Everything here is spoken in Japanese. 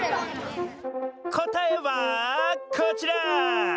こたえはこちら！